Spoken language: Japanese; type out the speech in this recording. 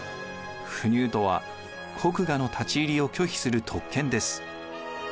不入とは国衙の立ち入りを拒否する特権です。